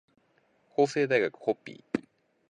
法政大学ホッピー